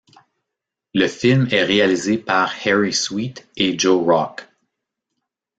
Le film est réalisé par Harry Sweet & Joe Rock.